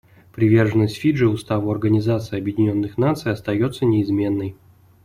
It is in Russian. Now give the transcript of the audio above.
Приверженность Фиджи Уставу Организации Объединенных Наций остается неизменной.